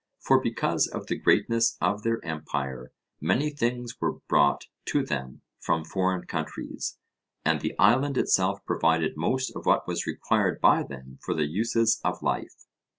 For because of the greatness of their empire many things were brought to them from foreign countries, and the island itself provided most of what was required by them for the uses of life.